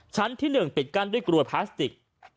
ชั้นที่๑ปิดกั้นด้วยกลวยพลาสติก